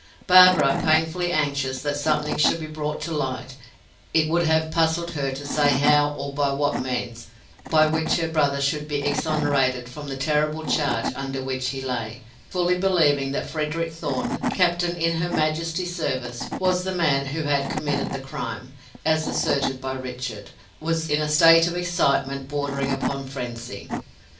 Barbara, painfully anxious that something should be brought to light, it would have puzzled her to say how or by what means, by which her brother should be exonerated from the terrible charge under which he lay; fully believing that Frederick Thorn, captain in her majesty's service, was the man who had committed the crime, as asserted by Richard, was in a state of excitement bordering upon frenzy.